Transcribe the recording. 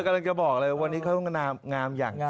กำลังจะบอกเลยวันนี้เขาต้องงามอย่าง